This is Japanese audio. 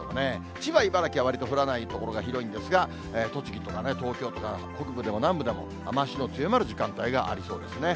千葉、茨城はわりと降らない所が広いんですが、栃木とかね、東京北部、南部でも、雨足の強まる時間帯がありそうですね。